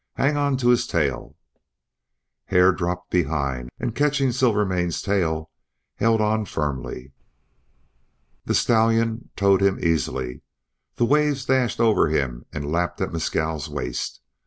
Hang to his tail!" Hare dropped behind, and catching Silvermane's tail held on firmly. The stallion towed him easily. The waves dashed over him and lapped at Mescal's waist.